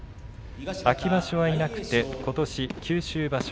秋場所はいなくてことし九州場所